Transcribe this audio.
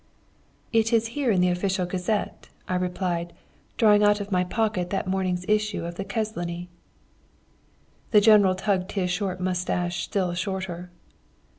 "'It is here in the official gazette,' I replied, drawing out of my pocket that morning's issue of the Közlöny. "The General tugged his short moustache still shorter.